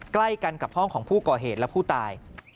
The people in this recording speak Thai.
ใกล้กันกับห้องของผู้ก่อเหตุและผู้ตาย